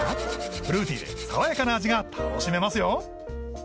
フルーティーで爽やかな味が楽しめますよ